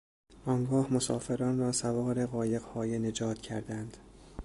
آنگاه مسافران را سوار قایقهای نجات کردند.